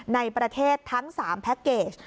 ในประเทศทั้ง๓แพ็คเกจ